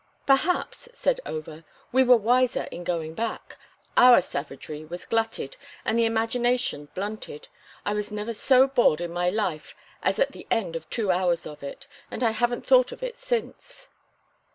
"Perhaps," said Over, "we were wiser in going back. Our savagery was glutted and the imagination blunted. I was never so bored in my life as at the end of two hours of it, and I haven't thought of it since."